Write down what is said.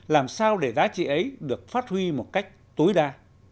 làm sao để giá trị ấy được phát huy một cách tối đa